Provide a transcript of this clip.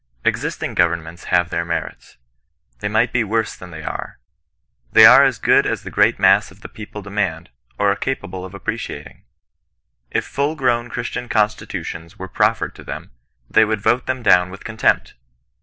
Existing governments have their merits. They might V worse then they are. They are as good as the great mass of the people demand, or are capable of appreciat ing. If full grown Christian constitutions were proffered to them, they would vote them down with contempt.